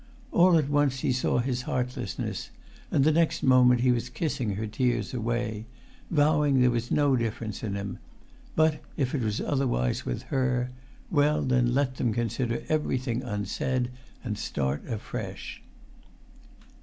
All at once he saw his heartlessness, and next moment he was kissing her tears away; vowing there was no difference in[Pg 301] him; but, if it was otherwise with her, well, then, let them consider everything unsaid, and start afresh.